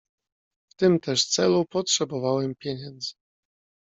"W tym też celu potrzebowałem pieniędzy."